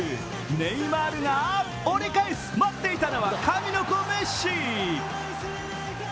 ネイマールが折り返す待っていたのは神の子メッシ。